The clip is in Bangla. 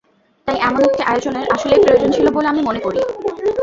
তাই এমন একটি আয়োজনের আসলেই প্রয়োজন ছিল বলে আমি মনে করি।